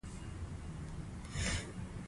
کفن يې څيري کړ او د ژوند پر ډګر يې چيغه کړه.